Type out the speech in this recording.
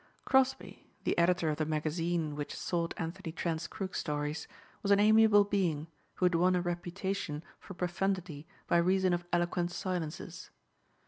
Crosbeigh, the editor of the magazine which sought Anthony Trent's crook stories, was an amiable being who had won a reputation for profundity by reason of eloquent silences.